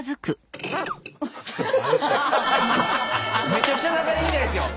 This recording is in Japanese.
めちゃくちゃ仲いいみたいですよ。